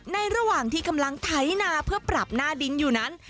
ระหว่างที่กำลังไถนาเพื่อปรับหน้าดินอยู่นั้น